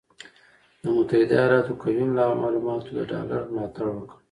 د متحده ایالاتو قوي معلوماتو د ډالر ملاتړ وکړ،